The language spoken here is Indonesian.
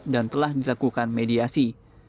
dan telah dilakukan mediasi